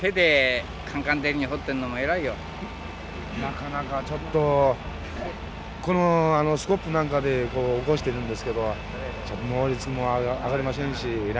なかなかちょっとこのスコップなんかで起こしてるんですけど能率も上がりませんしえらいんですよ。